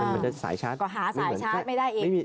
ก็หาสายชาร์จไม่ได้อีก